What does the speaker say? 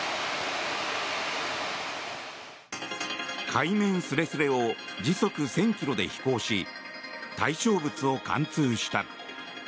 海面すれすれを時速１０００ｋｍで飛行し対象物を貫通した。